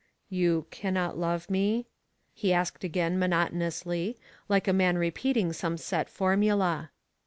" You cannot love me ?" he asked again monot onously, like a man repeating some set formula.